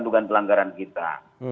juga pelanggaran kita